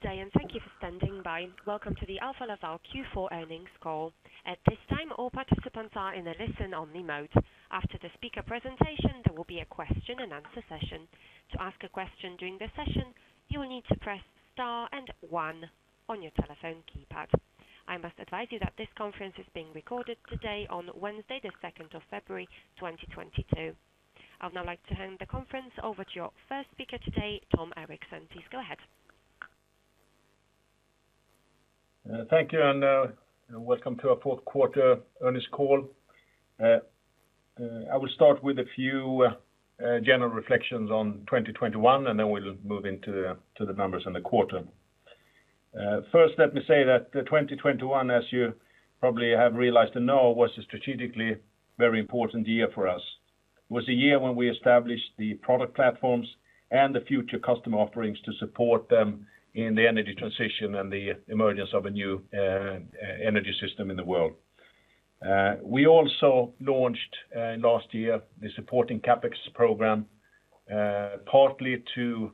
Good day, and thank you for standing by. Welcome to the Alfa Laval Q4 Earnings Call. At this time, all participants are in a listen-only mode. After the speaker presentation, there will be a question-and-answer session. To ask a question during the session, you will need to press star and one on your telephone keypad. I must advise you that this conference is being recorded today on Wednesday, February 2nd, 2022. I'd now like to hand the conference over to your first speaker today, Tom Erixon. Please go ahead. Thank you, and welcome to our fourth quarter earnings call. I will start with a few general reflections on 2021, and then we'll move into the numbers in the quarter. First, let me say that 2021, as you probably have realized and know, was a strategically very important year for us. It was a year when we established the product platforms and the future customer offerings to support them in the energy transition and the emergence of a new energy system in the world. We also launched last year the supporting CapEx program, partly to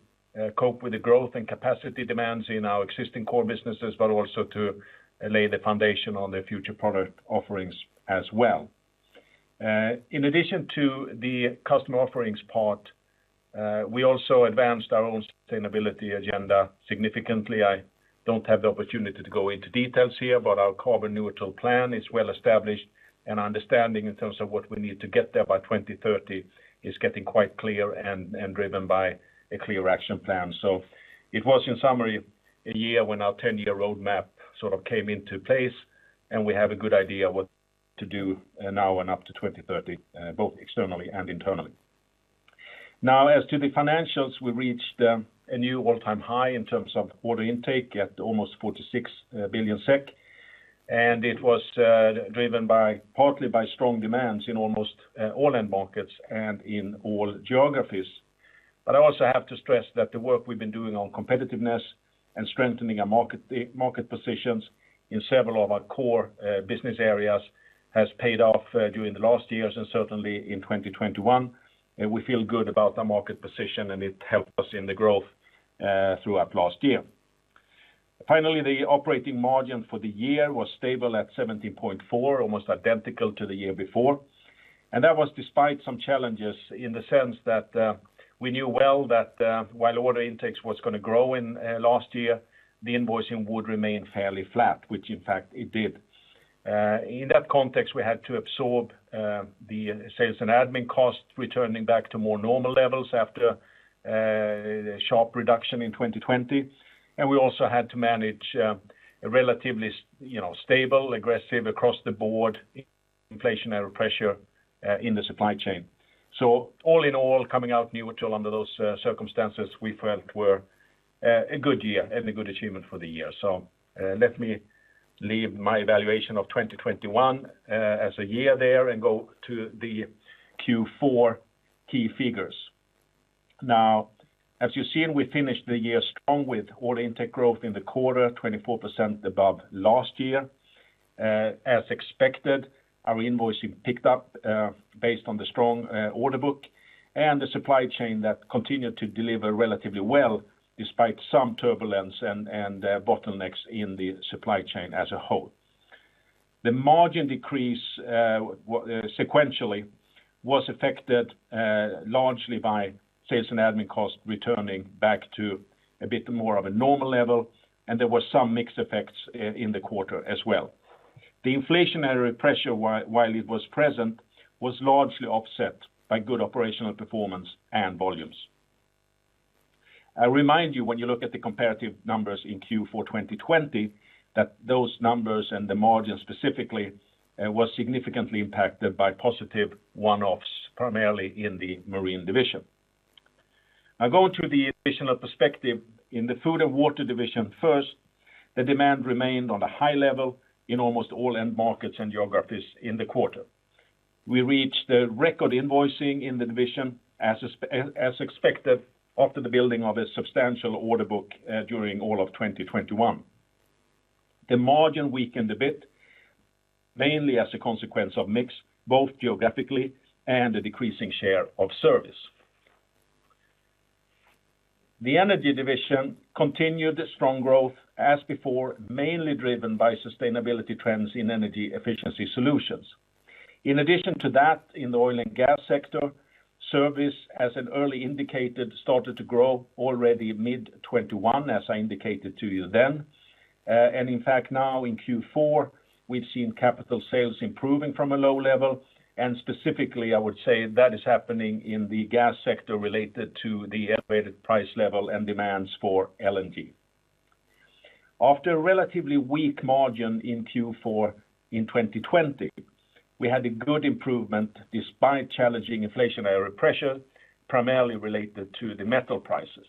cope with the growth and capacity demands in our existing core businesses, but also to lay the foundation on the future product offerings as well. In addition to the customer offerings part, we also advanced our own sustainability agenda significantly. I don't have the opportunity to go into details here, but our carbon neutral plan is well established, and understanding in terms of what we need to get there by 2030 is getting quite clear and driven by a clear action plan. It was, in summary, a year when our 10-year roadmap sort of came into place, and we have a good idea what to do, now and up to 2030, both externally and internally. Now, as to the financials, we reached a new all-time high in terms of order intake at almost 46 billion SEK, and it was driven partly by strong demands in almost all end markets and in all geographies. I also have to stress that the work we've been doing on competitiveness and strengthening our market positions in several of our core business areas has paid off during the last years and certainly in 2021. We feel good about our market position, and it helped us in the growth throughout last year. Finally, the operating margin for the year was stable at 17.4%, almost identical to the year before, and that was despite some challenges in the sense that we knew well that while order intakes was gonna grow in last year, the invoicing would remain fairly flat, which in fact it did. In that context, we had to absorb the sales and admin costs returning back to more normal levels after the sharp reduction in 2020, and we also had to manage a relatively, you know, stable, aggressive across the board inflationary pressure in the supply chain. All in all, coming out neutral under those circumstances, we felt were a good year and a good achievement for the year. Let me leave my evaluation of 2021 as a year there and go to the Q4 key figures. Now, as you've seen, we finished the year strong with order intake growth in the quarter, 24% above last year. As expected, our invoicing picked up based on the strong order book and the supply chain that continued to deliver relatively well despite some turbulence and bottlenecks in the supply chain as a whole. The margin decrease sequentially was affected largely by sales and admin costs returning back to a bit more of a normal level, and there were some mixed effects in the quarter as well. The inflationary pressure, while it was present, was largely offset by good operational performance and volumes. I remind you, when you look at the comparative numbers in Q4 2020, that those numbers and the margin specifically was significantly impacted by positive one-offs, primarily in the Marine Division. I go through the divisional perspective in the Food & Water Division first. The demand remained on a high level in almost all end markets and geographies in the quarter. We reached the record invoicing in the division as expected after the building of a substantial order book during all of 2021. The margin weakened a bit, mainly as a consequence of mix, both geographically and the decreasing share of service. The Energy Division continued the strong growth as before, mainly driven by sustainability trends in energy efficiency solutions. In addition to that, in the oil and gas sector, service, as I indicated earlier, started to grow already mid-2021, as I indicated to you then. In fact, now in Q4, we've seen capital sales improving from a low level, and specifically, I would say that is happening in the gas sector related to the elevated price level and demands for LNG. After a relatively weak margin in Q4 in 2020, we had a good improvement despite challenging inflationary pressure, primarily related to the metal prices.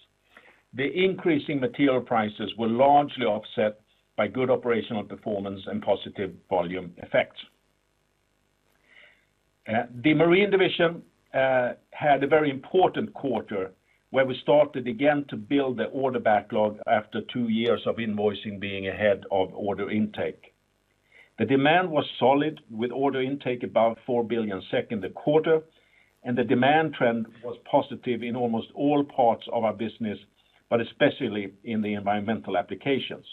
The increasing material prices were largely offset by good operational performance and positive volume effects. The Marine Division had a very important quarter where we started again to build the order backlog after two years of invoicing being ahead of order intake. The demand was solid with order intake about 4 billion SEK in the quarter, and the demand trend was positive in almost all parts of our business, but especially in the environmental applications.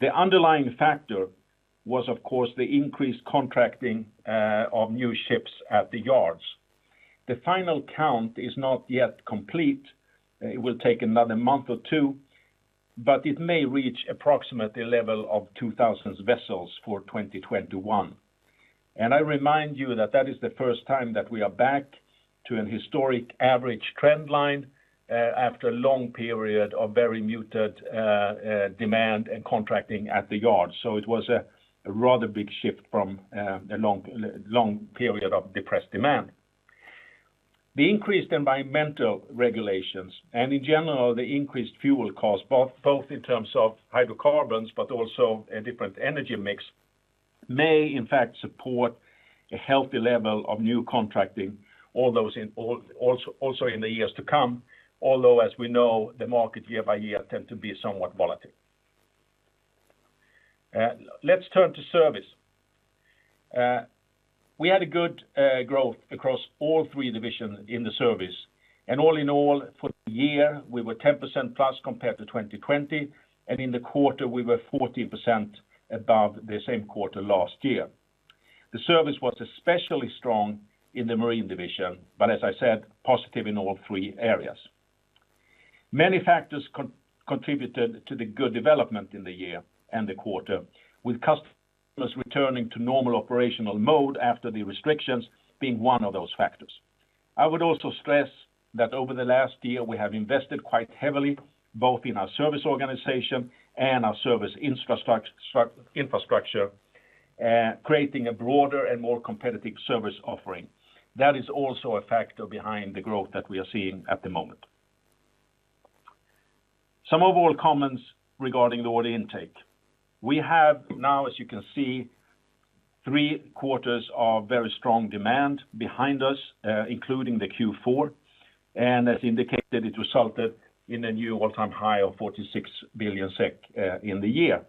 The underlying factor was, of course, the increased contracting of new ships at the yards. The final count is not yet complete. It will take another month or two, but it may reach approximately a level of 2,000 vessels for 2021. I remind you that that is the first time that we are back to an historic average trend line, after a long period of very muted demand and contracting at the yard. It was a rather big shift from a long period of depressed demand. The increased environmental regulations, and in general, the increased fuel costs, both in terms of hydrocarbons, but also a different energy mix, may in fact support a healthy level of new contracting, all those also in the years to come, although as we know, the market year by year tend to be somewhat volatile. Let's turn to service. We had a good growth across all three divisions in the service. All in all, for the year, we were 10% plus compared to 2020, and in the quarter, we were 14% above the same quarter last year. The service was especially strong in the Marine Division, but as I said, positive in all three areas. Many factors contributed to the good development in the year and the quarter, with customers returning to normal operational mode after the restrictions being one of those factors. I would also stress that over the last year, we have invested quite heavily, both in our service organization and our service infrastructure, creating a broader and more competitive service offering. That is also a factor behind the growth that we are seeing at the moment. Some overall comments regarding the order intake. We have now, as you can see, three quarters of very strong demand behind us, including the Q4. As indicated, it resulted in a new all-time high of 46 billion SEK in the year.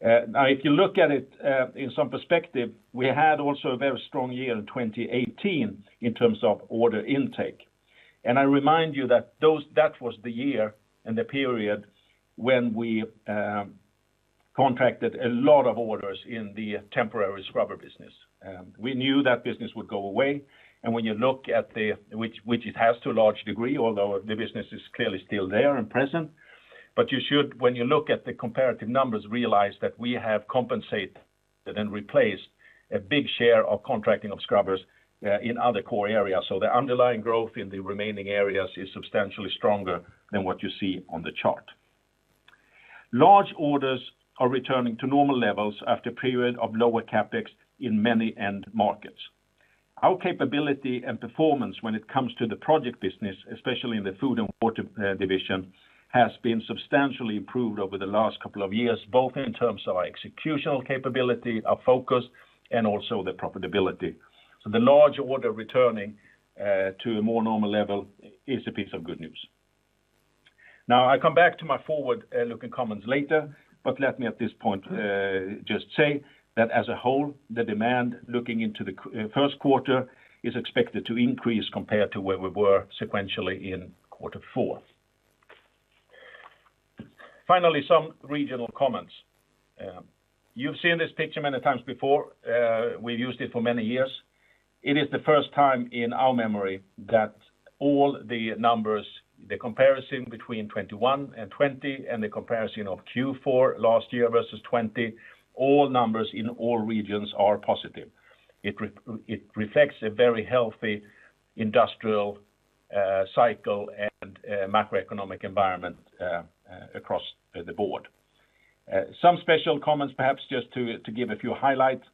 Now, if you look at it in some perspective, we had also a very strong year in 2018 in terms of order intake. I remind you that that was the year and the period when we contracted a lot of orders in the temporary scrubber business. We knew that business would go away. When you look at it, which it has to a large degree, although the business is clearly still there and present. You should, when you look at the comparative numbers, realize that we have compensated and replaced a big share of contracting of scrubbers in other core areas. The underlying growth in the remaining areas is substantially stronger than what you see on the chart. Large orders are returning to normal levels after a period of lower CapEx in many end markets. Our capability and performance when it comes to the project business, especially in the Food & Water Division, has been substantially improved over the last couple of years, both in terms of our executional capability, our focus, and also the profitability. The large order returning to a more normal level is a piece of good news. Now, I come back to my forward looking comments later, but let me at this point just say that as a whole, the demand looking into the first quarter is expected to increase compared to where we were sequentially in quarter four. Finally, some regional comments. You've seen this picture many times before. We've used it for many years. It is the first time in our memory that all the numbers, the comparison between 2021 and 2020, and the comparison of Q4 last year versus 2020, all numbers in all regions are positive. It reflects a very healthy industrial cycle and macroeconomic environment across the board. Some special comments, perhaps just to give a few highlights.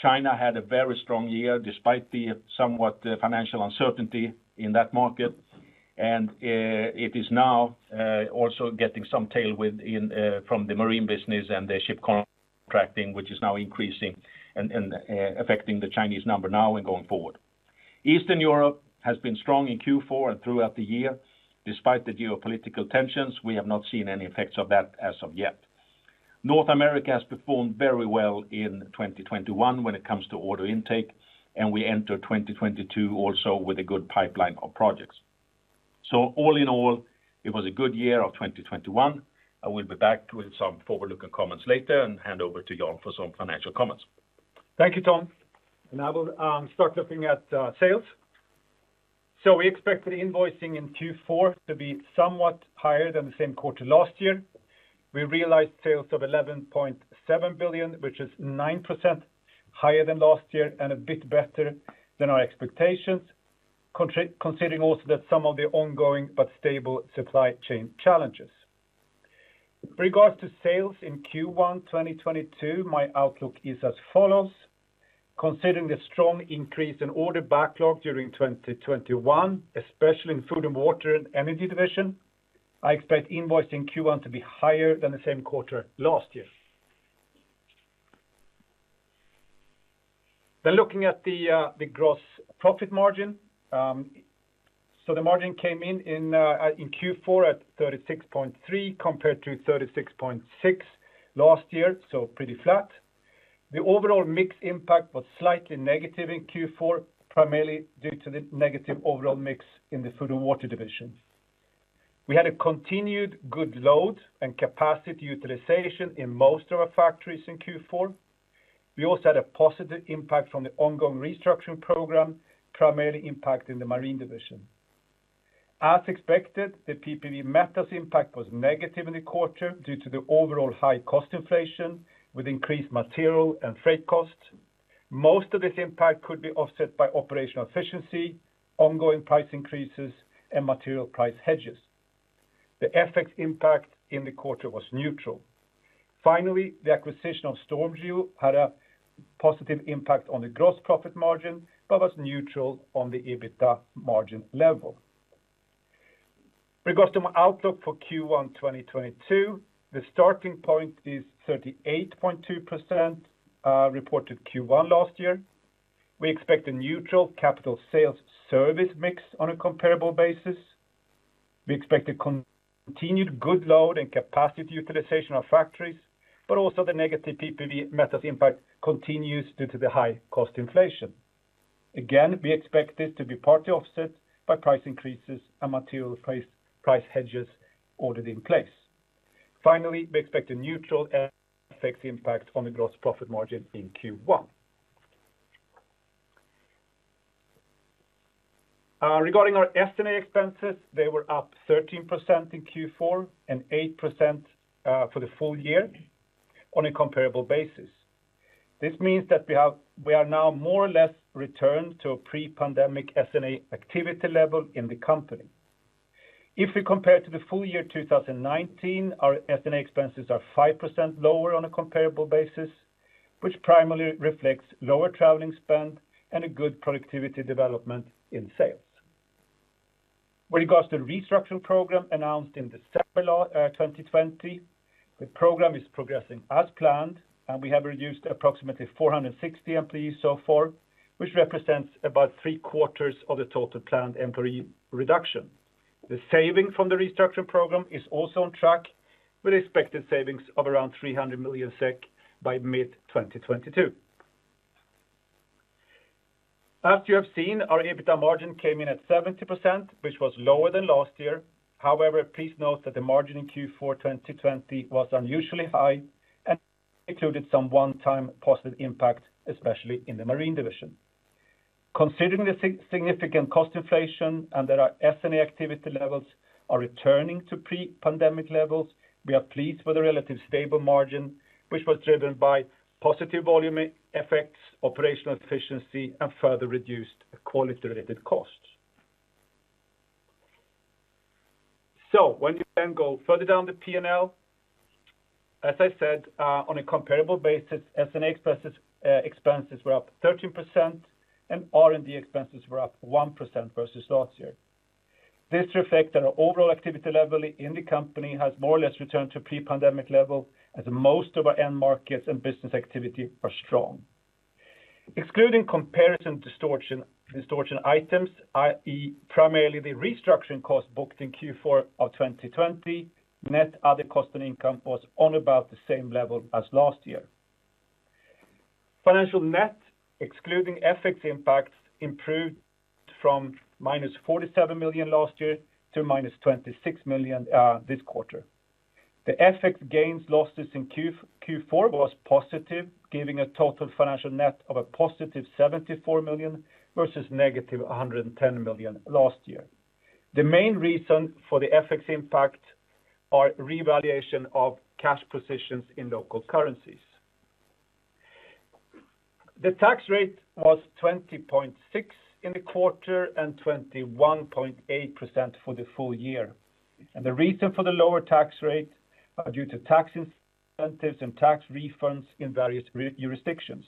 China had a very strong year, despite the somewhat financial uncertainty in that market. It is now also getting some tailwind from the marine business and the ship contracting, which is now increasing and affecting the Chinese number now and going forward. Eastern Europe has been strong in Q4 and throughout the year. Despite the geopolitical tensions, we have not seen any effects of that as of yet. North America has performed very well in 2021 when it comes to order intake, and we enter 2022 also with a good pipeline of projects. All in all, it was a good year of 2021. I will be back with some forward-looking comments later and hand over to Jan for some financial comments. Thank you, Tom. I will start looking at sales. We expected invoicing in Q4 to be somewhat higher than the same quarter last year. We realized sales of 11.7 billion, which is 9% higher than last year and a bit better than our expectations, considering also that some of the ongoing but stable supply chain challenges. Regarding sales in Q1 2022, my outlook is as follows. Considering the strong increase in order backlog during 2021, especially in Food & Water and Energy Division, I expect invoicing Q1 to be higher than the same quarter last year. Looking at the gross profit margin, the margin came in Q4 at 36.3% compared to 36.6% last year, pretty flat. The overall mix impact was slightly negative in Q4, primarily due to the negative overall mix in the Food & Water Division. We had a continued good load and capacity utilization in most of our factories in Q4. We also had a positive impact from the ongoing restructuring program, primarily impacting the Marine Division. As expected, the PPV Metals impact was negative in the quarter due to the overall high cost inflation with increased material and freight costs. Most of this impact could be offset by operational efficiency, ongoing price increases, and material price hedges. The FX impact in the quarter was neutral. Finally, the acquisition of StormGeo had a positive impact on the gross profit margin, but was neutral on the EBITDA margin level. Regarding my outlook for Q1 2022, the starting point is 38.2%, reported Q1 last year. We expect a neutral capital sales service mix on a comparable basis. We expect a continued good load and capacity utilization of factories, but also the negative PPV Metals impact continues due to the high cost inflation. Again, we expect this to be partly offset by price increases and material price hedges ordered in place. Finally, we expect a neutral FX impact on the gross profit margin in Q1. Regarding our S&A expenses, they were up 13% in Q4 and 8% for the full year on a comparable basis. This means that we are now more or less returned to a pre-pandemic S&A activity level in the company. If we compare to the full year 2019, our S&A expenses are 5% lower on a comparable basis, which primarily reflects lower traveling spend and a good productivity development in sales. When it comes to the restructuring program announced in December 2020, the program is progressing as planned, and we have reduced approximately 460 employees so far, which represents about three quarters of the total planned employee reduction. The saving from the restructuring program is also on track with expected savings of around 300 million SEK by mid-2022. As you have seen, our EBITDA margin came in at 70%, which was lower than last year. However, please note that the margin in Q4 2020 was unusually high and included some one-time positive impact, especially in the Marine Division. Considering the significant cost inflation and that our S&A activity levels are returning to pre-pandemic levels, we are pleased with the relatively stable margin, which was driven by positive volume effects, operational efficiency, and further reduced quality-related costs. When we then go further down the P&L, as I said, on a comparable basis, S&A expenses were up 13% and R&D expenses were up 1% versus last year. This reflects that our overall activity level in the company has more or less returned to pre-pandemic level as most of our end markets and business activity are strong. Excluding comparison distortion items, i.e., primarily the restructuring costs booked in Q4 of 2020, net other cost and income was on about the same level as last year. Financial net, excluding FX impacts, improved from -47 million last year to -26 million this quarter. The FX gains losses in Q4 was positive, giving a total financial net of 74 million versus -110 million last year. The main reason for the FX impact are revaluation of cash positions in local currencies. The tax rate was 20.6 in the quarter and 21.8% for the full year. The reason for the lower tax rate are due to tax incentives and tax refunds in various jurisdictions.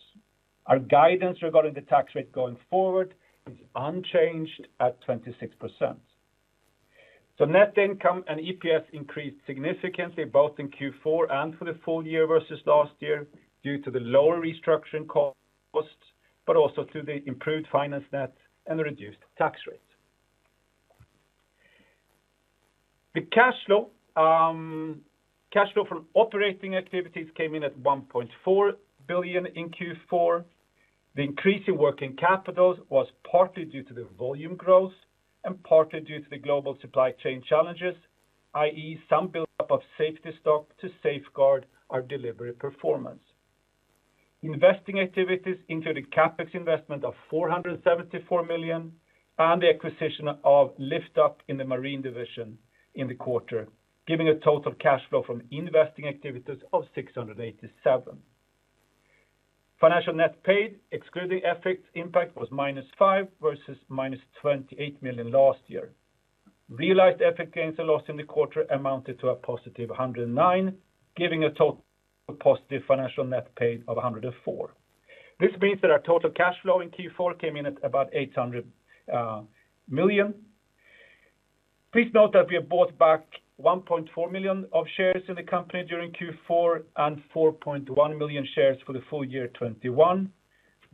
Our guidance regarding the tax rate going forward is unchanged at 26%. Net income and EPS increased significantly both in Q4 and for the full year versus last year due to the lower restructuring costs, but also to the improved finance net and the reduced tax rate. The cash flow, cash flow from operating activities came in at 1.4 billion in Q4. The increase in working capital was partly due to the volume growth and partly due to the global supply chain challenges, i.e., some buildup of safety stock to safeguard our delivery performance. Investing activities included CapEx investment of 474 million and the acquisition of LiftUP in the Marine Division in the quarter, giving a total cash flow from investing activities of 687 million. Financial net paid, excluding FX impact, was -5 million versus -28 million last year. Realized FX gains and losses in the quarter amounted to a positive 109 million, giving a total positive financial net paid of 104 million. This means that our total cash flow in Q4 came in at about 800 million. Please note that we have bought back 1.4 million of shares in the company during Q4 and 4.1 million shares for the full year 2021.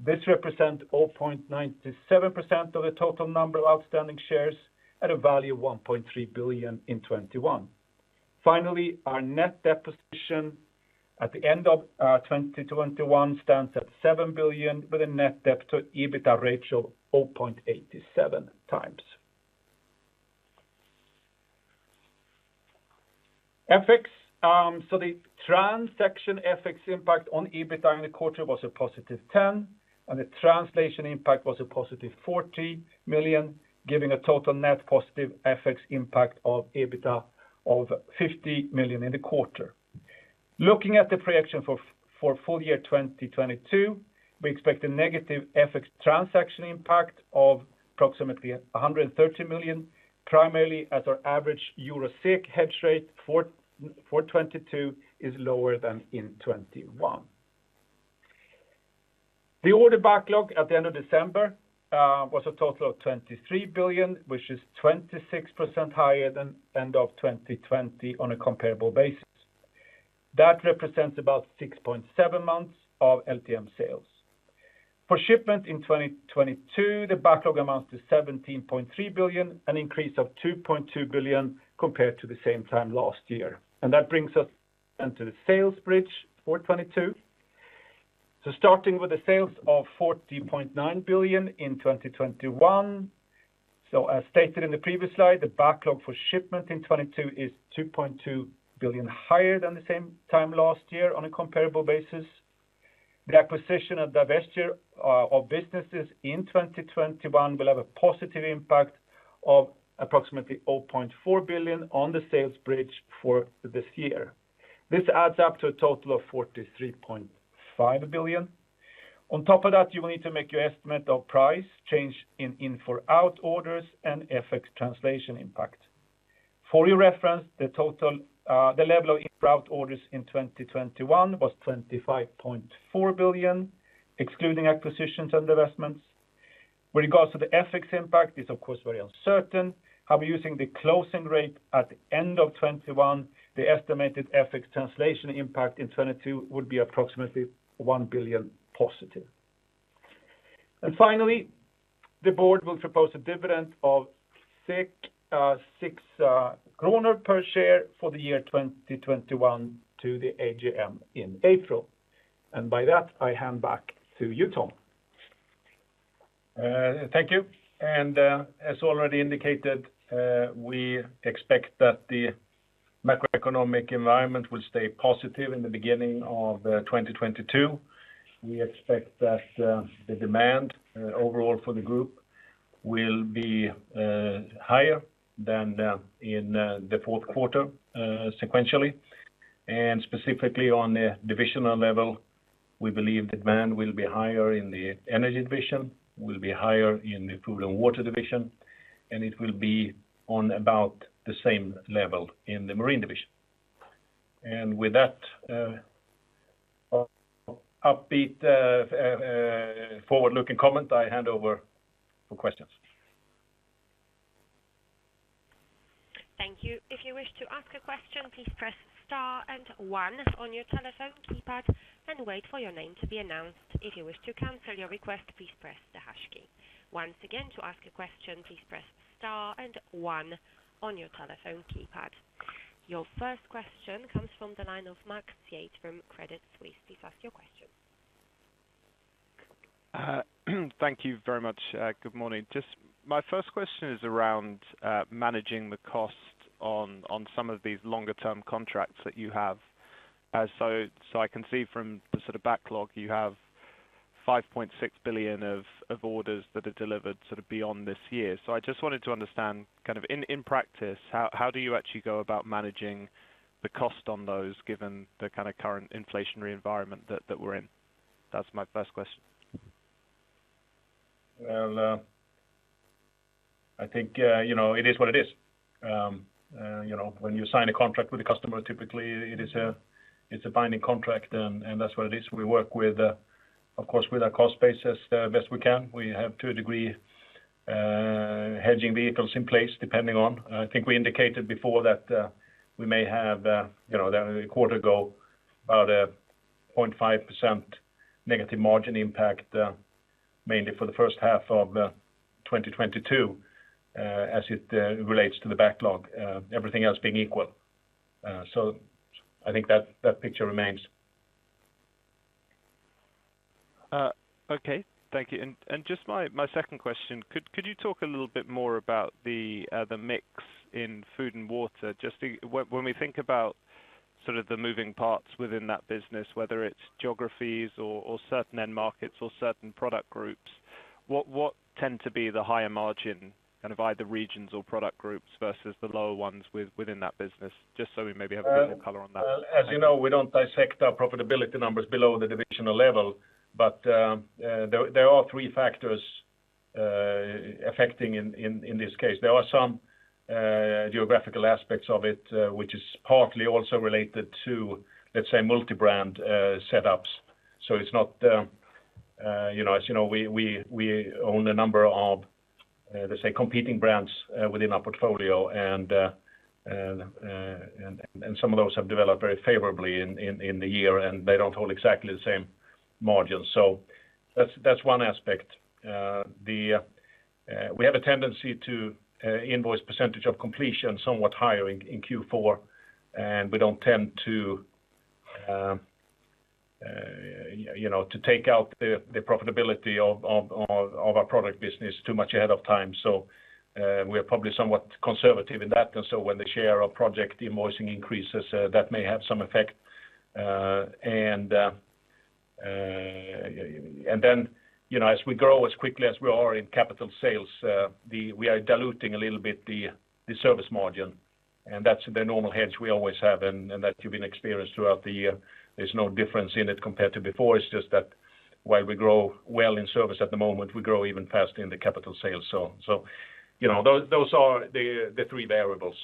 This represent 0.97% of the total number of outstanding shares at a value of 1.3 billion in 2021. Finally, our net debt position at the end of 2021 stands at 7 billion with a net debt to EBITDA ratio of 0.87x. FX, the transaction FX impact on EBITDA in the quarter was a +10 million, and the translation impact was a +40 million, giving a total net positive FX impact on EBITDA of 50 million in the quarter. Looking at the projection for full year 2022, we expect a negative FX transaction impact of approximately 130 million, primarily as our average EUR/SEK hedge rate for 2022 is lower than in 2021. The order backlog at the end of December was a total of 23 billion, which is 26% higher than end of 2020 on a comparable basis. That represents about 6.7 months of LTM sales. For shipment in 2022, the backlog amounts to 17.3 billion, an increase of 2.2 billion compared to the same time last year. That brings us then to the sales bridge for 2022. Starting with the sales of 40.9 billion in 2021. As stated in the previous slide, the backlog for shipment in 2022 is 2.2 billion higher than the same time last year on a comparable basis. The acquisitions and divestments of businesses in 2021 will have a positive impact of approximately 1.4 billion on the sales bridge for this year. This adds up to a total of 43.5 billion. On top of that, you will need to make your estimate of price change in in-for-out orders and FX translation impact. For your reference, the total the level of in-for-out orders in 2021 was 25.4 billion, excluding acquisitions and divestments. With regard to the FX impact, it's of course very uncertain. I'll be using the closing rate at the end of 2021. The estimated FX translation impact in 2022 would be approximately 1 billion positive. Finally, the board will propose a dividend of 6 kronor per share for the year 2021 to the AGM in April. By that, I hand back to you, Tom. Thank you. As already indicated, we expect that the macroeconomic environment will stay positive in the beginning of 2022. We expect that the demand overall for the group will be higher than in the fourth quarter sequentially. Specifically on the divisional level, we believe demand will be higher in the Energy Division, will be higher in the Food & Water Division, and it will be on about the same level in the Marine Division. With that upbeat forward-looking comment, I hand over for questions. Thank you. If you wish to ask a question, please press star and one on your telephone keypad and wait for your name to be announced. If you wish to cancel your request, please press the hash key. Once again, to ask a question, please press star and one on your telephone keypad. Your first question comes from the line of Max Yates from Credit Suisse. Please ask your question. Thank you very much. Good morning. Just my first question is around managing the cost on some of these longer term contracts that you have. I can see from the sort of backlog you have 5.6 billion of orders that are delivered sort of beyond this year. I just wanted to understand kind of in practice how do you actually go about managing the cost on those given the kind of current inflationary environment that we're in? That's my first question. Well, I think, you know, it is what it is. You know, when you sign a contract with a customer, typically it's a binding contract, and that's what it is. We work with, of course, with our cost base as best we can. We have to a degree hedging vehicles in place, depending on. I think we indicated before that we may have, you know, a quarter ago, about a 0.5% negative margin impact, mainly for the first half of 2022, as it relates to the backlog, everything else being equal. I think that picture remains. Okay. Thank you. Just my second question, could you talk a little bit more about the mix in Food & Water. When we think about sort of the moving parts within that business, whether it's geographies or certain end markets or certain product groups, what tend to be the higher margin kind of either regions or product groups versus the lower ones within that business? Just so we maybe have a bit more color on that. Well, as you know, we don't dissect our profitability numbers below the divisional level, but there are three factors affecting in this case. There are some geographical aspects of it, which is partly also related to, let's say, multi-brand setups. It's not, you know, as you know, we own a number of, let's say, competing brands within our portfolio and some of those have developed very favorably in the year, and they don't hold exactly the same margin. That's one aspect. We have a tendency to invoice percentage of completion somewhat higher in Q4, and we don't tend to, you know, to take out the profitability of our product business too much ahead of time. We are probably somewhat conservative in that. When the share of project invoicing increases, that may have some effect. You know, as we grow as quickly as we are in capital sales, we are diluting a little bit the service margin. That's the normal hedge we always have. That you've experienced throughout the year. There's no difference in it compared to before. It's just that while we grow well in service at the moment, we grow even faster in the capital sales. You know, those are the three variables.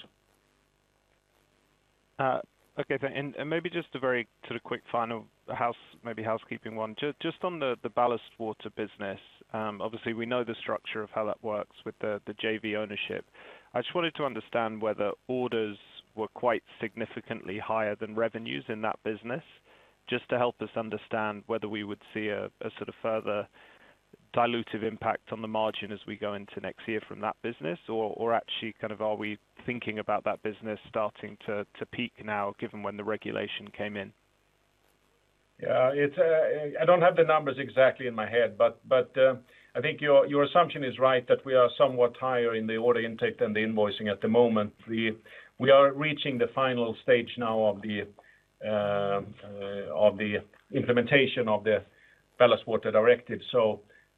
Okay. Maybe just a very sort of quick final housekeeping one. Just on the ballast water business, obviously we know the structure of how that works with the JV ownership. I just wanted to understand whether orders were quite significantly higher than revenues in that business, just to help us understand whether we would see a sort of further dilutive impact on the margin as we go into next year from that business, or actually kind of are we thinking about that business starting to peak now, given when the regulation came in? Yeah. I don't have the numbers exactly in my head, but I think your assumption is right that we are somewhat higher in the order intake than the invoicing at the moment. We are reaching the final stage now of the implementation of the Ballast Water Directive.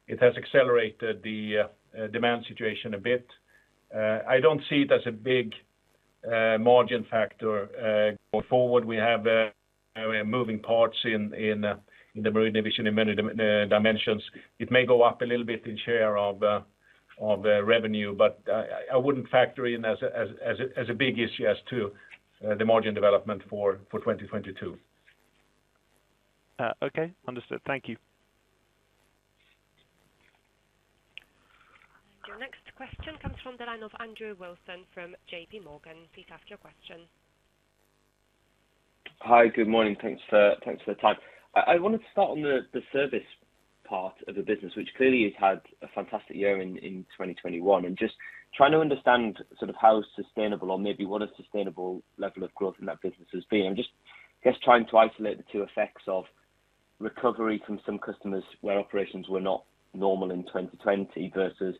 It has accelerated the demand situation a bit. I don't see it as a big margin factor going forward. We have moving parts in the Marine Division in many dimensions. It may go up a little bit in share of revenue, but I wouldn't factor in as a big issue as to the margin development for 2022. Okay. Understood. Thank you. Your next question comes from the line of Andrew Wilson from JPMorgan. Please ask your question. Hi. Good morning. Thanks for the time. I wanted to start on the service part of the business, which clearly has had a fantastic year in 2021, and just trying to understand sort of how sustainable or maybe what a sustainable level of growth in that business has been. Just, I guess, trying to isolate the two effects of recovery from some customers where operations were not normal in 2020, versus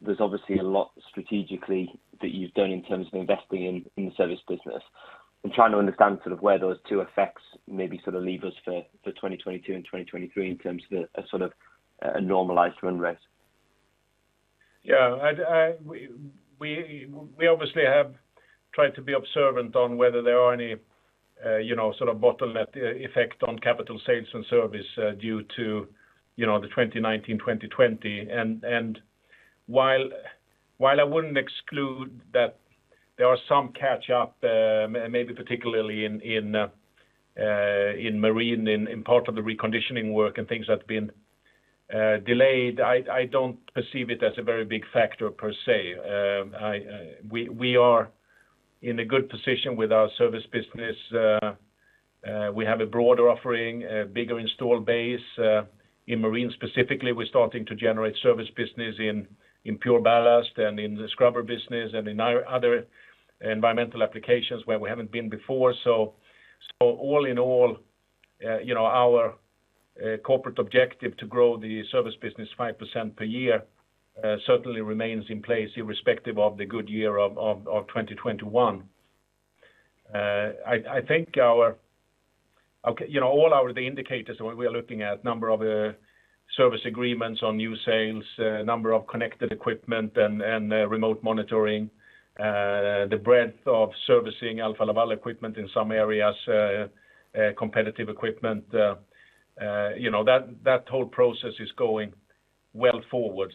there's obviously a lot strategically that you've done in terms of investing in the service business. I'm trying to understand sort of where those two effects maybe sort of leave us for 2022 and 2023 in terms of a sort of a normalized run rate. Yeah. We obviously have tried to be observant on whether there are any, you know, sort of bottleneck effect on capital sales and service due to, you know, the 2019, 2020. While I wouldn't exclude that there are some catch up, maybe particularly in marine, in part of the reconditioning work and things that have been delayed, I don't perceive it as a very big factor per se. We are in a good position with our service business. We have a broader offering, a bigger installed base. In marine specifically, we're starting to generate service business in PureBallast and in the scrubber business and in other environmental applications where we haven't been before. All in all, you know, our corporate objective to grow the service business 5% per year certainly remains in place irrespective of the good year of 2021. I think. You know, all the indicators we are looking at, number of service agreements on new sales, number of connected equipment and remote monitoring, the breadth of servicing Alfa Laval equipment in some areas, competitive equipment, you know, that whole process is going well forward.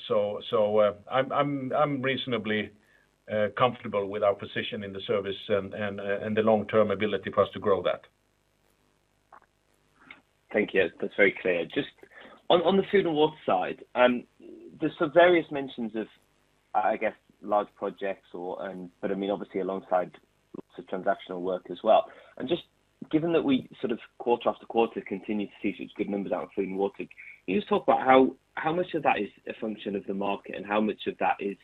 I'm reasonably comfortable with our position in the service and the long-term ability for us to grow that. Thank you. That's very clear. Just on the Food & Water side, there's some various mentions of, I guess, large projects but I mean, obviously alongside sort of transactional work as well. Just given that we sort of quarter after quarter continue to see such good numbers out in Food & Water, can you just talk about how much of that is a function of the market and how much of that is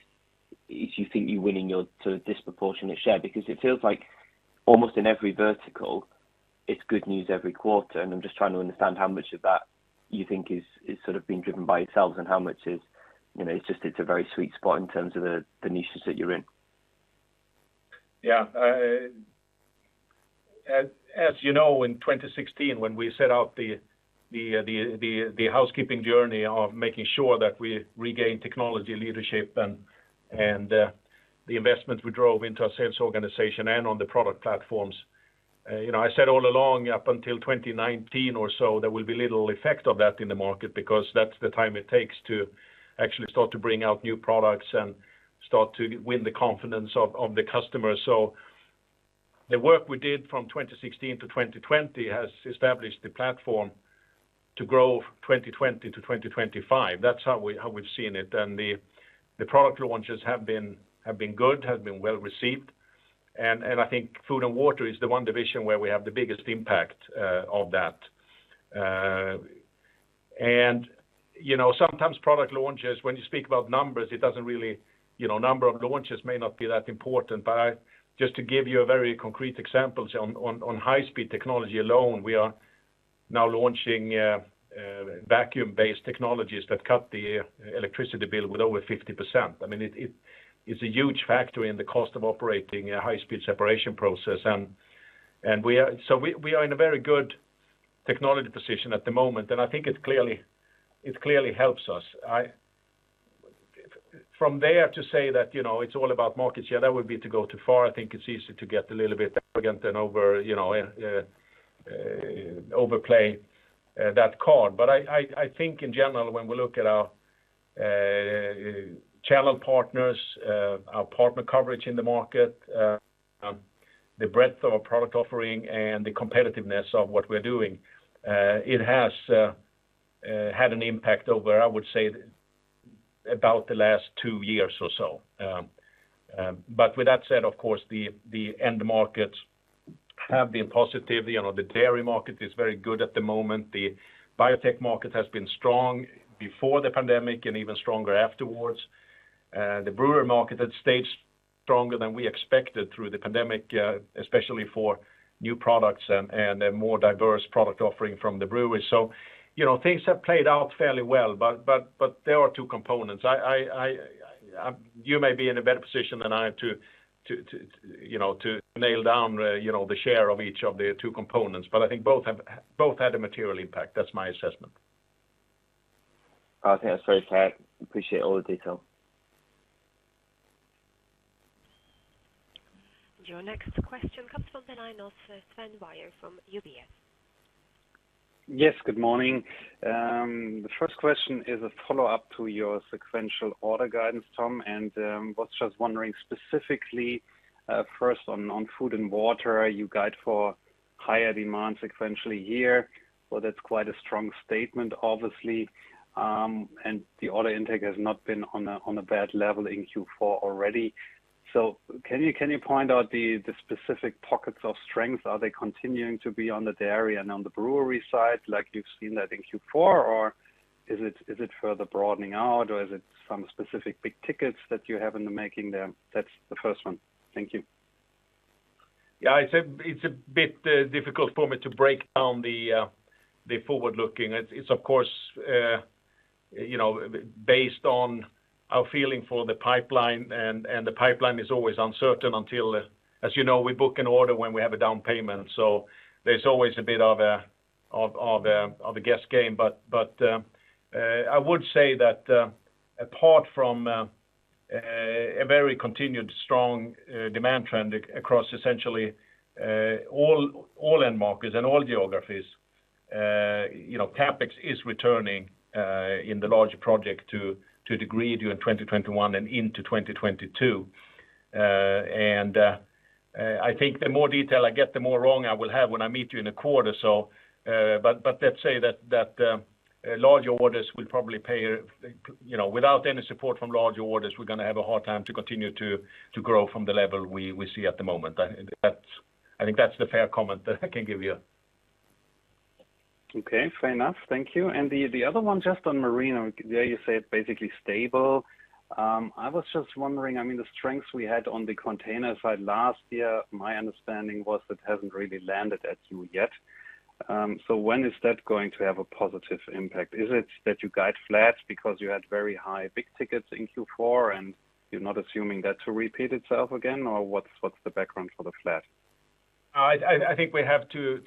you think you're winning your sort of disproportionate share? Because it feels like almost in every vertical, it's good news every quarter. I'm just trying to understand how much of that you think is sort of being driven by yourselves and how much is, you know, it's just a very sweet spot in terms of the niches that you're in. Yeah. As you know, in 2016, when we set out the housekeeping journey of making sure that we regain technology leadership and the investment we drove into our sales organization and on the product platforms, you know, I said all along, up until 2019 or so, there will be little effect of that in the market because that's the time it takes to actually start to bring out new products and start to win the confidence of the customer. The work we did from 2016 to 2020 has established the platform to grow 2020 to 2025. That's how we, how we've seen it. The product launches have been good, well-received. I think Food & Water is the one division where we have the biggest impact of that. You know, sometimes product launches, when you speak about numbers, it doesn't really, you know, number of launches may not be that important. I just to give you a very concrete example, on high-speed technology alone, we are now launching vacuum-based technologies that cut the electricity bill with over 50%. I mean, it's a huge factor in the cost of operating a high-speed separation process. We are in a very good technology position at the moment, and I think it clearly helps us. I from there to say that, you know, it's all about markets, yeah, that would be to go too far. I think it's easy to get a little bit arrogant and, you know, overplay that card. I think in general, when we look at our channel partners, our partner coverage in the market, the breadth of our product offering, and the competitiveness of what we're doing, it has had an impact over, I would say, about the last two years or so. With that said, of course, the end markets have been positive. You know, the dairy market is very good at the moment. The biotech market has been strong before the pandemic and even stronger afterwards. The brewer market had stayed stronger than we expected through the pandemic, especially for new products and a more diverse product offering from the brewery. You know, things have played out fairly well, but there are two components. You may be in a better position than I am to, you know, to nail down, you know, the share of each of the two components, but I think both had a material impact. That's my assessment. Okay. That's very clear. Appreciate all the detail. Your next question comes from the line of Sven Weier from UBS. Yes, good morning. The first question is a follow-up to your sequential order guidance, Tom, and was just wondering specifically, first on Food & Water, you guide for higher demand sequentially year. That's quite a strong statement, obviously, and the order intake has not been on a bad level in Q4 already. Can you point out the specific pockets of strength? Are they continuing to be on the dairy and on the brewery side like you've seen that in Q4? Or is it further broadening out, or is it some specific big tickets that you have in the making there? That's the first one. Thank you. Yeah. It's a bit difficult for me to break down the forward-looking. It's of course, you know, based on our feeling for the pipeline, and the pipeline is always uncertain until. As you know, we book an order when we have a down payment, so there's always a bit of a guess game. I would say that, apart from a very continued strong demand trend across essentially all end markets and all geographies, you know, CapEx is returning in the larger project to a degree during 2021 and into 2022. I think the more detail I get, the more wrong I will have when I meet you in a quarter, so. Let's say that large orders will probably pay, you know, without any support from large orders, we're gonna have a hard time to continue to grow from the level we see at the moment. I think that's the fair comment that I can give you. Okay, fair enough. Thank you. The other one just on marine, there you say it's basically stable. I was just wondering, I mean, the strengths we had on the container side last year, my understanding was that hasn't really landed at you yet. So when is that going to have a positive impact? Is it that you guide flat because you had very high big tickets in Q4, and you're not assuming that to repeat itself again, or what's the background for the flat? I think we have to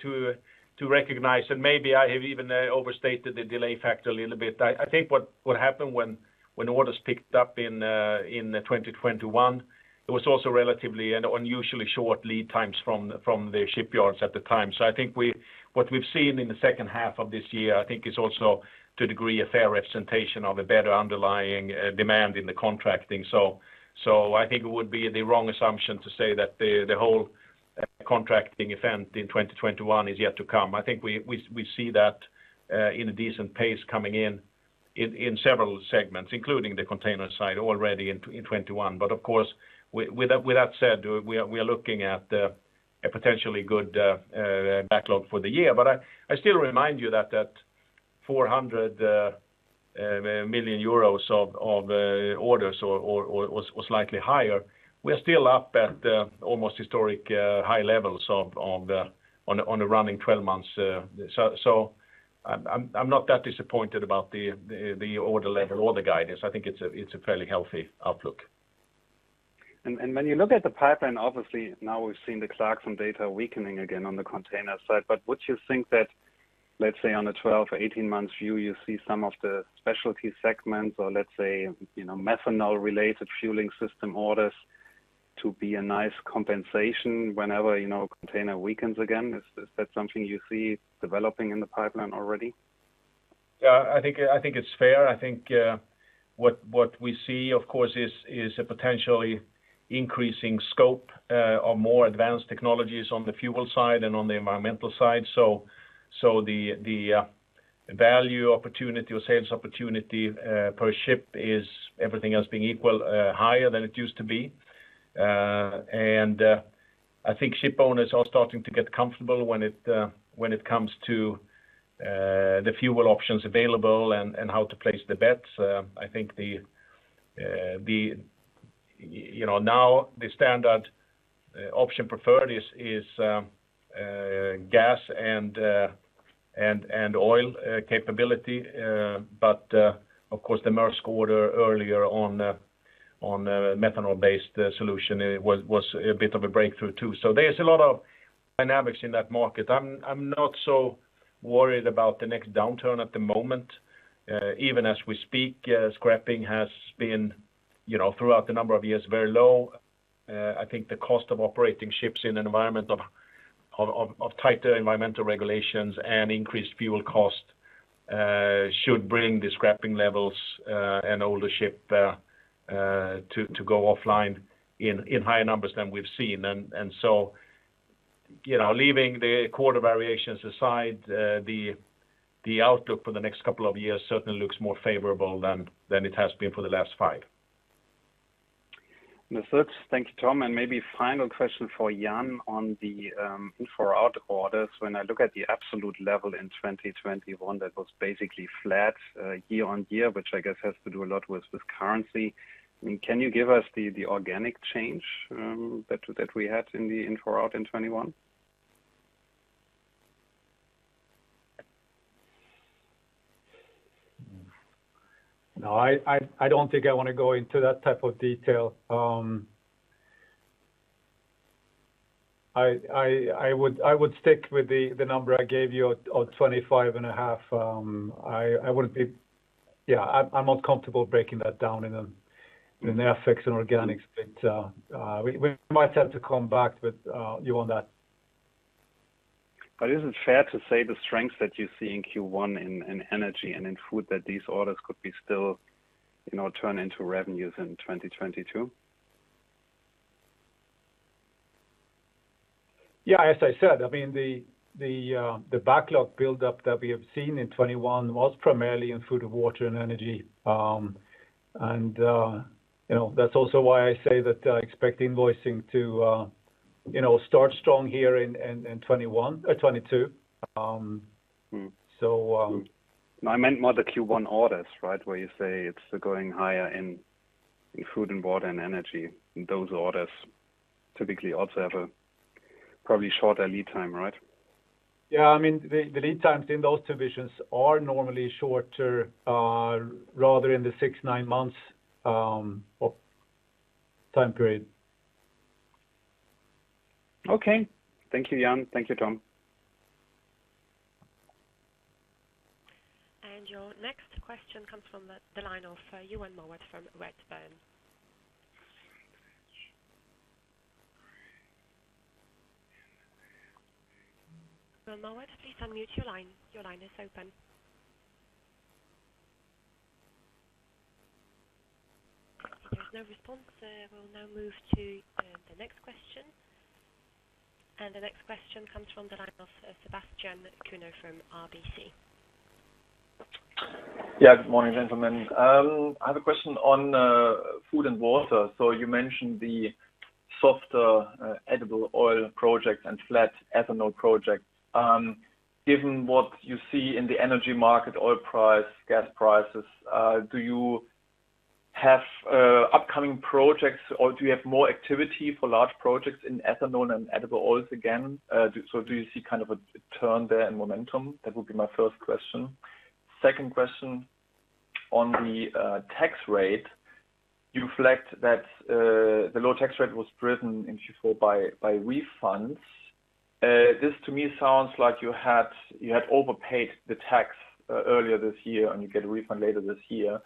recognize, and maybe I have even overstated the delay factor a little bit. I think what happened when orders picked up in 2021, there was also relatively an unusually short lead times from the shipyards at the time. I think what we've seen in the second half of this year is also, to a degree, a fair representation of a better underlying demand in the contracting. I think it would be the wrong assumption to say that the whole contracting event in 2021 is yet to come. I think we see that in a decent pace coming in several segments, including the container side already in 2021. Of course, with that said, we are looking at a potentially good backlog for the year. I still remind you that 400 million euros of orders or was slightly higher. We're still up at almost historic high levels on a running twelve months, so I'm not that disappointed about the order level or the guidance. I think it's a fairly healthy outlook. When you look at the pipeline, obviously now we've seen the Clarksons data weakening again on the container side. Would you think that, let's say, on a 12 or 18 months view, you see some of the specialty segments or let's say, you know, methanol-related fueling system orders to be a nice compensation whenever, you know, container weakens again? Is that something you see developing in the pipeline already? Yeah, I think it's fair. I think what we see, of course, is a potentially increasing scope of more advanced technologies on the fuel side and on the environmental side. The value opportunity or sales opportunity per ship is everything else being equal higher than it used to be. I think ship owners are starting to get comfortable when it comes to the fuel options available and how to place the bets. I think. You know, now the standard option preferred is gas and oil capability. Of course, the Maersk order earlier on methanol-based solution was a bit of a breakthrough too. There's a lot of dynamics in that market. I'm not so worried about the next downturn at the moment. Even as we speak, scrapping has been, you know, throughout the number of years, very low. I think the cost of operating ships in an environment of tighter environmental regulations and increased fuel cost should bring the scrapping levels and older ship to go offline in higher numbers than we've seen. You know, leaving the quarter variations aside, the outlook for the next couple of years certainly looks more favorable than it has been for the last five. Thank you, Tom. Maybe final question for Jan on the in-for-out orders. When I look at the absolute level in 2021, that was basically flat year-on-year, which I guess has to do a lot with currency. I mean, can you give us the organic change that we had in the in-for-out in 2021? No, I don't think I wanna go into that type of detail. I would stick with the number I gave you of 25.5. Yeah, I'm not comfortable breaking that down in FX and organics, but we might have to come back with you on that. Is it fair to say the strengths that you see in Q1 in energy and in food, that these orders could be still, you know, turn into revenues in 2022? Yeah, as I said, I mean, the backlog buildup that we have seen in 2021 was primarily in Food & Water and Energy. You know, that's also why I say that I expect invoicing to, you know, start strong here in 2021 or 2022. No, I meant more the Q1 orders, right? Where you say it's going higher in Food & Water and energy. Those orders typically also have a probably shorter lead time, right? Yeah. I mean, the lead times in those divisions are normally shorter, rather in the six-nine months of time period. Okay. Thank you, Jan. Thank you, Tom. Your next question comes from the line of Ewan Mowat from Redburn. Ewan Mowat, please unmute your line. Your line is open. If there's no response, we'll now move to the next question. The next question comes from the line of Sebastian Kuenne from RBC. Yeah. Good morning, gentlemen. I have a question on Food & Water. You mentioned the softer edible oil project and flat ethanol project. Given what you see in the energy market, oil price, gas prices, do you have upcoming projects, or do you have more activity for large projects in ethanol and edible oils again? Do you see kind of a turn there in momentum? That would be my first question. Second question on the tax rate. You reflect that the low tax rate was driven in Q4 by refunds. This to me sounds like you had overpaid the tax earlier this year, and you get a refund later this year.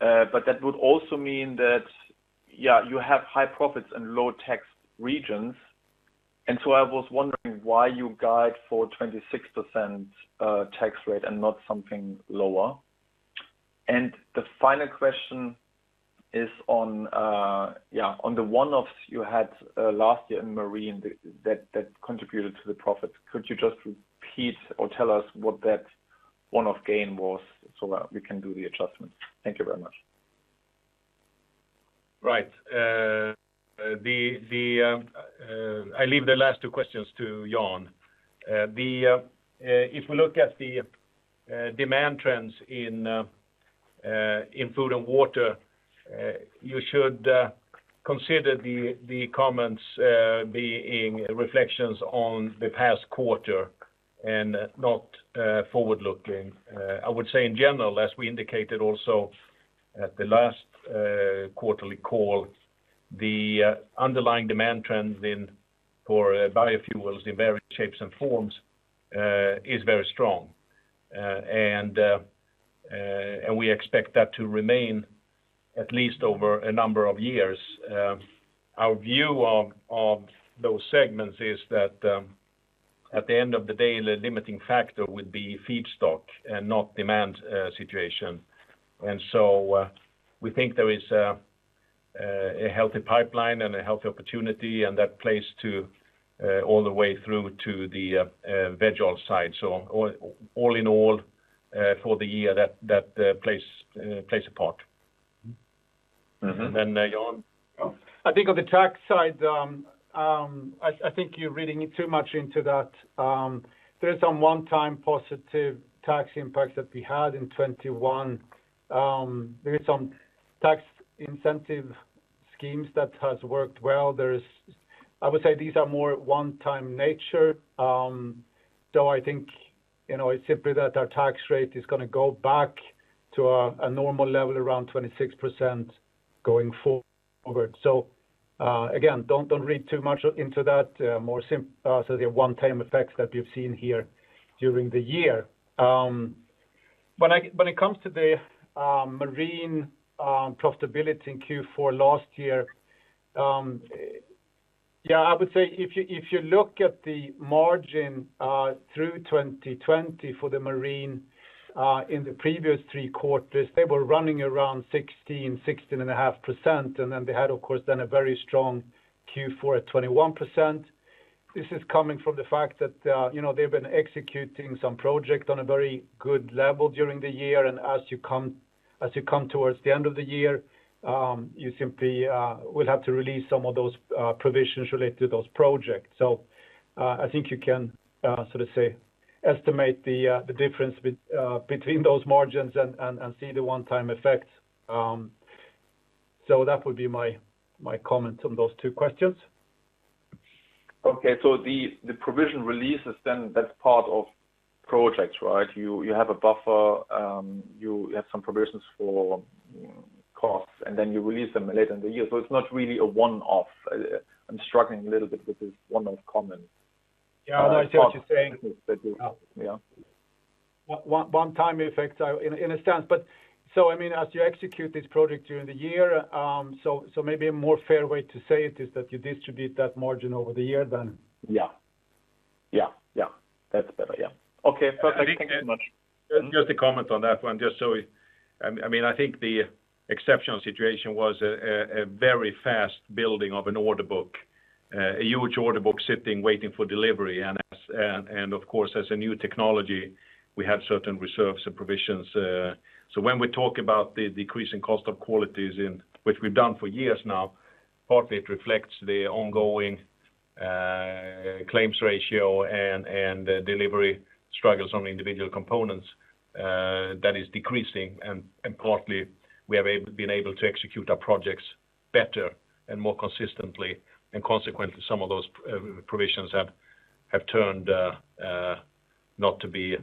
That would also mean that yeah, you have high profits in low tax regions. I was wondering why you guide for 26% tax rate and not something lower. The final question is on the one-offs you had last year in Marine that contributed to the profit. Could you just repeat or tell us what that one-off gain was so that we can do the adjustment? Thank you very much. Right. I leave the last two questions to Jan. If we look at the demand trends in Food & Water, you should consider the comments being reflections on the past quarter and not forward-looking. I would say in general, as we indicated also at the last quarterly call, the underlying demand trends for biofuels in various shapes and forms is very strong. We expect that to remain at least over a number of years. Our view of those segments is that, at the end of the day, the limiting factor would be feedstock and not demand situation. We think there is a healthy pipeline and a healthy opportunity, and that plays to all the way through to the veg oil side. All in all, for the year, that plays a part. Mm-hmm. Jan? I think on the tax side, you're reading too much into that. There is some one-time positive tax impacts that we had in 2021. There is some tax incentive schemes that has worked well. I would say these are more one-time nature. I think, you know, it's simply that our tax rate is gonna go back to a normal level around 26% going forward. Again, don't read too much into that, the one-time effects that we've seen here during the year. When it comes to the Marine profitability in Q4 last year, yeah, I would say if you look at the margin through 2020 for the Marine in the previous three quarters, they were running around 16.5%, and then they had, of course, a very strong Q4 at 21%. This is coming from the fact that, you know, they've been executing some project on a very good level during the year, and as you come towards the end of the year, you simply will have to release some of those provisions related to those projects. I think you can sort of say estimate the difference between those margins and see the one-time effects. That would be my comment on those two questions. Okay. The provision releases then that's part of projects, right? You have a buffer, you have some provisions for costs, and then you release them later in the year. It's not really a one-off. I'm struggling a little bit with this one-off comment. Yeah. No, I see what you're saying. Yeah. a one-time effect in a sense. I mean, as you execute this project during the year, so maybe a more fair way to say it is that you distribute that margin over the year, then. Yeah. That's better, yeah. Okay, perfect. Thank you so much. Just to comment on that one, just so we, I mean, I think the exceptional situation was a very fast building of an order book, a huge order book sitting, waiting for delivery. Of course, as a new technology, we have certain reserves and provisions. So when we talk about the decreasing cost of quality, which we've done for years now, partly it reflects the ongoing claims ratio and delivery struggles on individual components that is decreasing. Partly, we have been able to execute our projects better and more consistently. Consequently, some of those provisions have turned not to be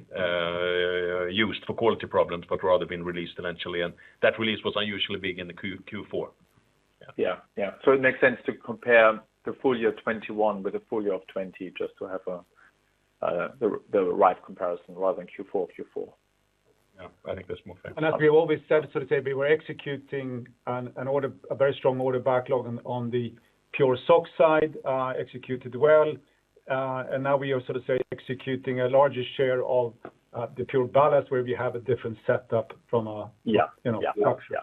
used for quality problems, but rather been released eventually. That release was unusually big in the Q4. Yeah. It makes sense to compare the full year of 2021 with the full year of 2020 just to have the right comparison rather than Q4. Yeah. I think that's more fair. As we've always said, so to say, we were executing an order, a very strong order backlog on the PureSOx side, executed well. Now we are sort of executing a larger share of the PureBallast where we have a different setup from a- Yeah. You know, structure. Yeah.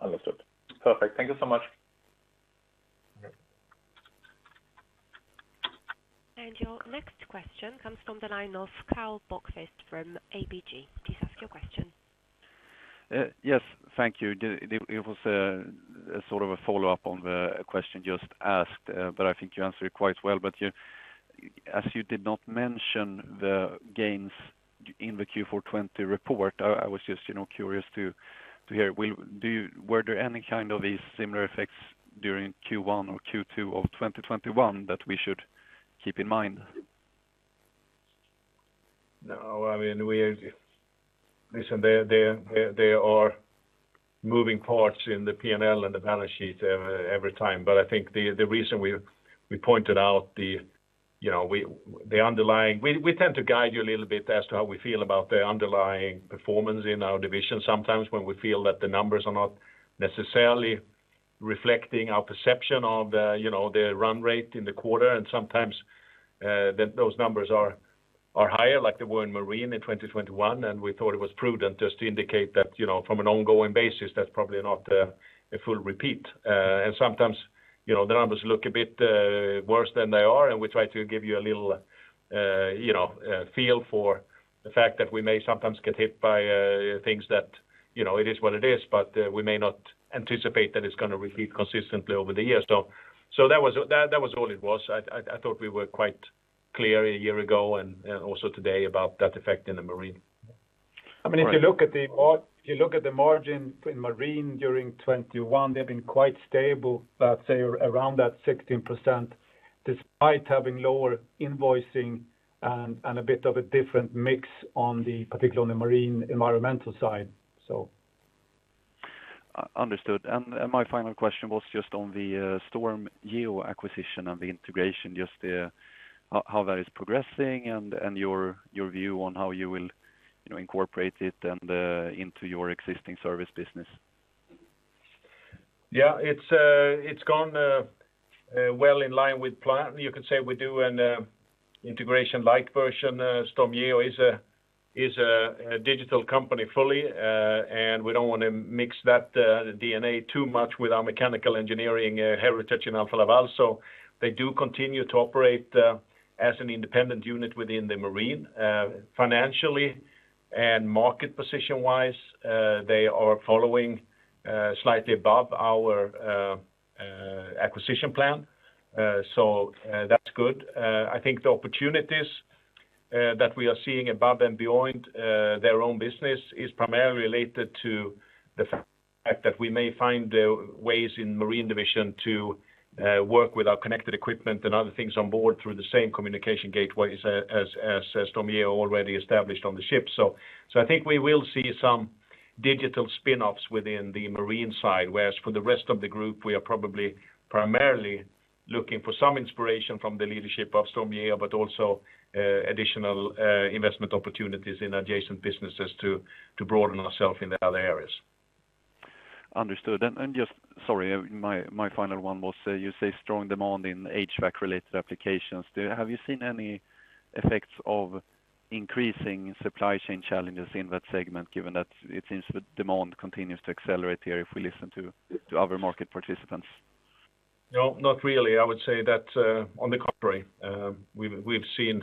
Understood. Perfect. Thank you so much. Okay. Your next question comes from the line of Karl Bokvist from ABG. Please ask your question. Yes. Thank you. It was a sort of a follow-up on the question just asked, but I think you answered it quite well. As you did not mention the gains in the Q4 2020 report, I was just, you know, curious to hear. Were there any kind of these similar effects during Q1 or Q2 of 2021 that we should keep in mind? No. I mean, Listen, there are moving parts in the P&L and the balance sheet every time. But I think the reason we pointed out the underlying. We tend to guide you a little bit as to how we feel about the underlying performance in our division sometimes when we feel that the numbers are not necessarily reflecting our perception of the, you know, the run rate in the quarter. Sometimes, then those numbers are higher, like they were in Marine in 2021, and we thought it was prudent just to indicate that, you know, from an ongoing basis, that's probably not a full repeat. Sometimes, you know, the numbers look a bit worse than they are, and we try to give you a little you know feel for the fact that we may sometimes get hit by things that, you know, it is what it is, but we may not anticipate that it's gonna repeat consistently over the years. That was all it was. I thought we were quite clear a year ago and also today about that effect in the marine. Right. I mean, if you look at the margin in Marine during 2021, they've been quite stable, let's say around that 16%, despite having lower invoicing and a bit of a different mix on the, particularly on the Marine environmental side, so. Understood. My final question was just on the StormGeo acquisition and the integration, just how that is progressing and your view on how you will, you know, incorporate it and into your existing service business? Yeah, it's gone well in line with plan. You could say we do an integration light version. StormGeo is a fully digital company, and we don't wanna mix that DNA too much with our mechanical engineering heritage in Alfa Laval. They do continue to operate as an independent unit within the Marine. Financially and market position-wise, they are following slightly above our acquisition plan. That's good. I think the opportunities that we are seeing above and beyond their own business is primarily related to the fact that we may find ways in the Marine Division to work with our connected equipment and other things on board through the same communication gateways as StormGeo already established on the ship. I think we will see some digital spinoffs within the marine side, whereas for the rest of the group, we are probably primarily looking for some inspiration from the leadership of StormGeo, but also additional investment opportunities in adjacent businesses to broaden ourself in the other areas. Understood. Sorry, my final one was, you say strong demand in HVAC-related applications. Have you seen any effects of increasing supply chain challenges in that segment, given that it seems the demand continues to accelerate here, if we listen to other market participants? No, not really. I would say that, on the contrary, we've seen,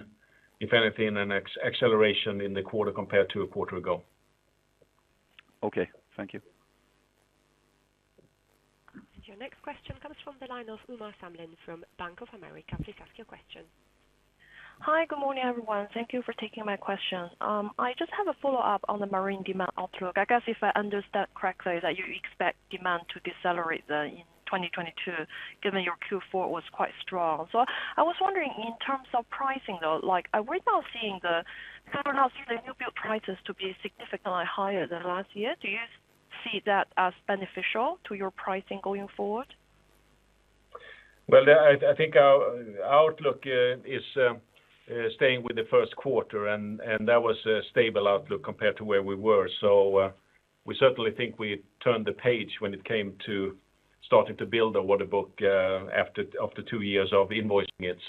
if anything, an acceleration in the quarter compared to a quarter ago. Okay. Thank you. Your next question comes from the line of Uma Samlin from Bank of America. Please ask your question. Hi. Good morning, everyone. Thank you for taking my question. I just have a follow-up on the marine demand outlook. I guess if I understood correctly that you expect demand to decelerate in 2022, given your Q4 was quite strong. I was wondering in terms of pricing though, like, are we now seeing the kind of new build prices to be significantly higher than last year? Do you see that as beneficial to your pricing going forward? Yeah, I think our outlook is staying with the first quarter, and that was a stable outlook compared to where we were. We certainly think we turned the page when it came to starting to build our order book after two years of invoicing it.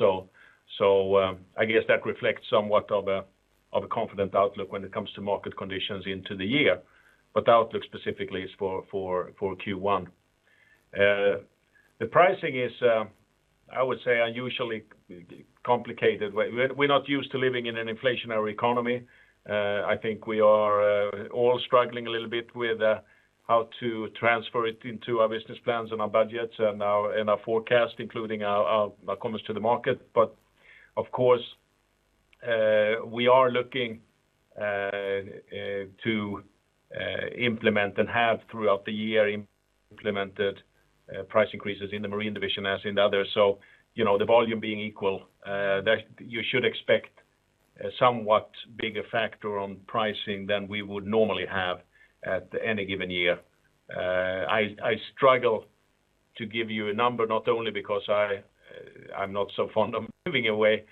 I guess that reflects somewhat of a confident outlook when it comes to market conditions into the year. The outlook specifically is for Q1. The pricing is, I would say, unusually complicated. We're not used to living in an inflationary economy. I think we are all struggling a little bit with how to transfer it into our business plans and our budgets and our forecast, including our comments to the market. Of course, we are looking to implement and have throughout the year implemented price increases in the Marine Division as in the others. You know, the volume being equal, that you should expect a somewhat bigger factor on pricing than we would normally have at any given year. I struggle to give you a number, not only because I'm not so fond of giving away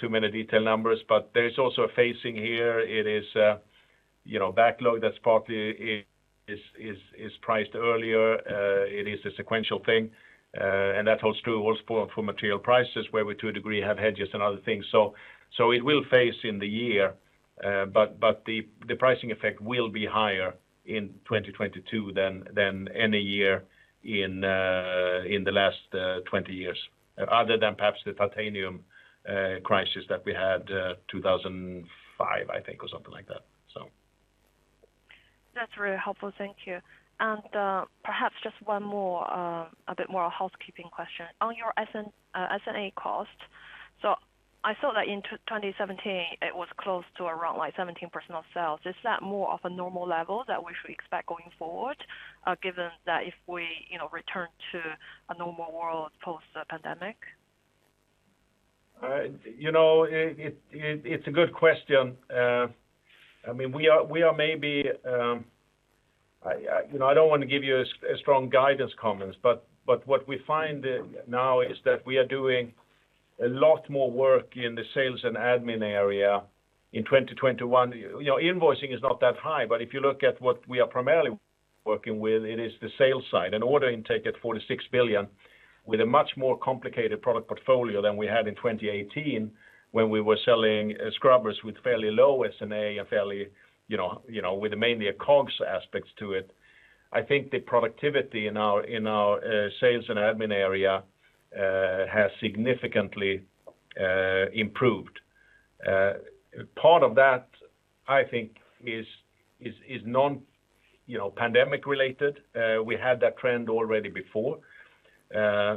too many detailed numbers, but there is also a phasing here. It is, you know, backlog that's partly priced earlier. It is a sequential thing, and that holds true also for material prices, where we to a degree have hedges and other things. It will phase in the year, but the pricing effect will be higher in 2022 than any year in the last 20 years, other than perhaps the titanium crisis that we had in 2005, I think, or something like that. That's really helpful. Thank you. Perhaps just one more, a bit more a housekeeping question. On your S&A cost, so I saw that in 2017, it was close to around like 17% of sales. Is that more of a normal level that we should expect going forward, given that if we, you know, return to a normal world post the pandemic? You know, it's a good question. I mean, you know, I don't wanna give you a strong guidance comments, but what we find now is that we are doing a lot more work in the sales and admin area in 2021. You know, invoicing is not that high, but if you look at what we are primarily working with, it is the sales side and order intake at 46 billion with a much more complicated product portfolio than we had in 2018 when we were selling scrubbers with fairly low S&A and fairly, you know, with mainly a COGS aspects to it. I think the productivity in our sales and admin area has significantly improved. Part of that, I think, is non, you know, pandemic related. We had that trend already before. I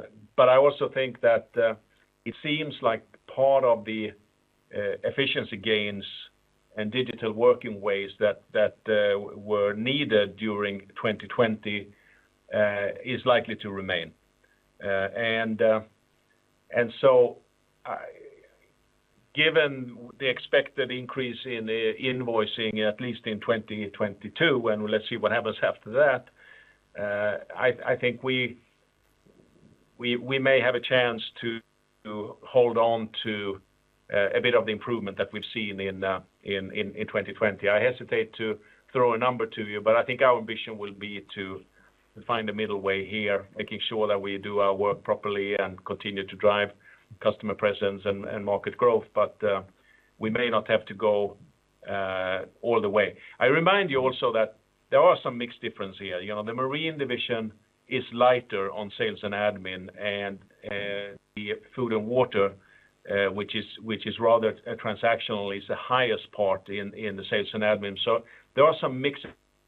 also think that it seems like part of the efficiency gains and digital working ways that were needed during 2020 is likely to remain. Given the expected increase in the invoicing, at least in 2022, and let's see what happens after that, I think we may have a chance to hold on to a bit of the improvement that we've seen in 2020. I hesitate to throw a number to you, but I think our ambition will be to find a middle way here, making sure that we do our work properly and continue to drive customer presence and market growth. We may not have to go all the way. I remind you also that there are some mix differences here. You know, the Marine Division is lighter on sales and admin and the Food & Water, which is rather transactionally the highest part in the sales and admin. There are some mix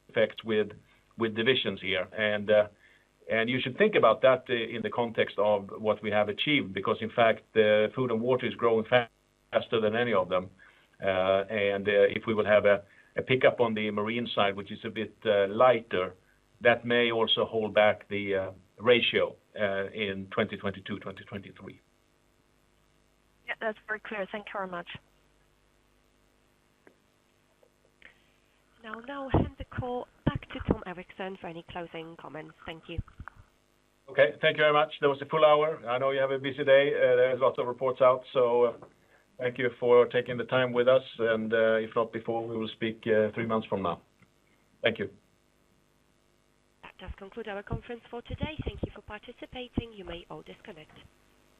effects with divisions here. And you should think about that in the context of what we have achieved, because in fact, the Food & Water is growing faster than any of them. If we will have a pickup on the marine side, which is a bit lighter, that may also hold back the ratio in 2022, 2023. Yeah, that's very clear. Thank you very much. I'll now hand the call back to Tom Erixon for any closing comments. Thank you. Okay. Thank you very much. That was a full hour. I know you have a busy day. There is lots of reports out, so thank you for taking the time with us, and if not before, we will speak three months from now. Thank you. That does conclude our conference for today. Thank you for participating. You may all disconnect.